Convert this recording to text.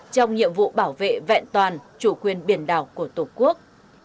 trong nhiệm vụ bảo vệ vẹn toàn chủ quyền biển đảo của tổ quốc